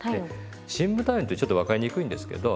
深部体温ってちょっと分かりにくいんですけど